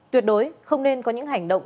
tuyệt đối không nên có những hành động